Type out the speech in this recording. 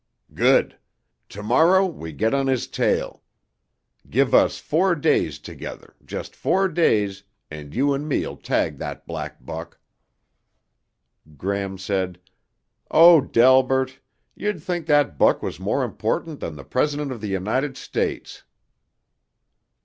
"Good. Tomorrow we get on his tail! Give us four days together, just four days, and you and me'll tag that black buck." Gram said, "Oh, Delbert. You'd think that buck was more important than the President of the United States."